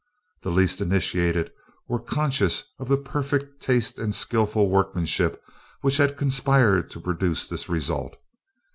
The least initiated was conscious of the perfect taste and skilful workmanship which had conspired to produce this result.